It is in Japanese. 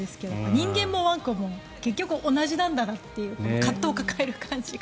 人間もワンコも結局同じなんだなという葛藤を抱える感じが。